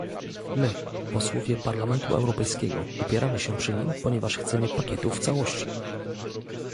My, posłowie Parlamentu Europejskiego, upieramy się przy nim, ponieważ chcemy pakietu w całości